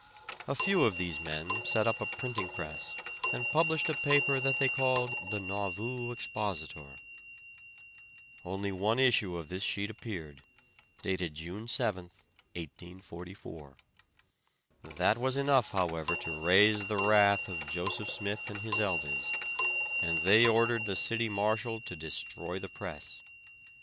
A few of these men set up a printing press and published a paper that they called the Nauvoo Expositor. Only one issue of this sheet appeared, dated June 7, 1844. That was enough, however, to raise the wrath of Joseph Smith and his elders, and they ordered the city marshal to destroy the press.